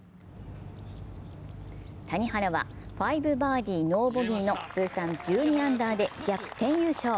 谷原は５バーディー・ノーボギーの通算１２アンダーで逆転優勝。